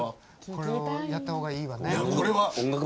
これをやった方がいいわね。